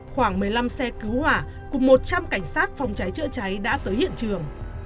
khoảng một mươi năm xe cứu hỏa cùng một trăm linh cảnh sát phòng cháy chữa cháy đã tới hiện trường